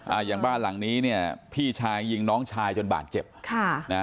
อย่างบ้านหลังนี้เนี่ยพี่ชายยิงน้องชายจนบาดเจ็บค่ะนะ